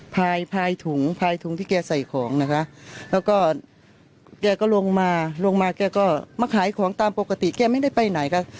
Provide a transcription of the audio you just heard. พายพายถุงพายถุงที่แกใส่ของนะคะแล้วก็แกก็ลงมาลงมาแกก็มาขายของตามปกติแกไม่ได้ไปไหนค่ะ